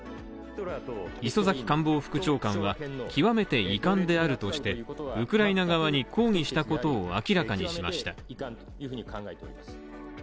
磯崎官房副長官は極めて遺憾であるとして、ウクライナ側に抗議したことを明らかにしました。